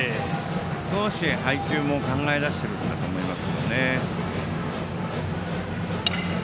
少し配球も考え出していると思います。